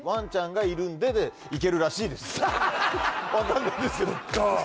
分かんないですけど